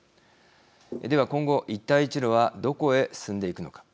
では、今後一帯一路はどこへ進んでいくのか。